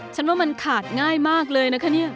ฉันว่ามันขาดง่ายมากเลยนะคะเนี่ย